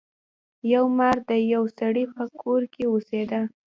یو مار د یو سړي په کور کې اوسیده.